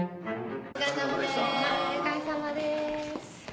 お疲れさまです。